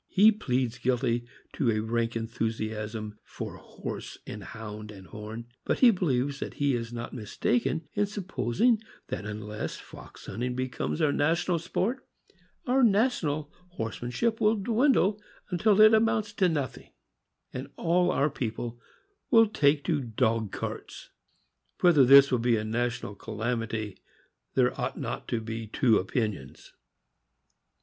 He pleads guilty to a rank enthusiasm for horse and hound and horn, but he believes that he is not mistaken in supposing that unless fox hunting becomes our national sport, our national horsemanship will dwindle until it amounts to nothing, and all our people will take to dog carts. Whether this will be a national calamity there ought not to be two opinions.